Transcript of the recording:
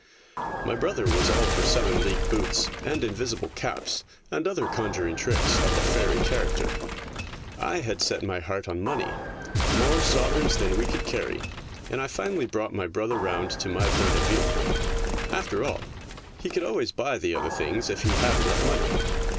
My brother was all for seven league boots and invisible caps and other conjuring tricks of a faery character ; I had set my heart on money, more sovereigns than we could carry, and I finally brought my brother round to my point of view. After all, he could always buy the other things if he had enough money.